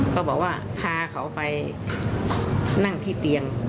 เขาบอกว่าพาเขาไปนั่งที่เตียง